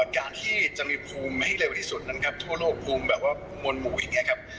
การที่จะมีภูมิให้เร็วที่สุดนั้นครับทั่วโลกภูมิแบบว่ามวลหมูอย่างนี้ครับ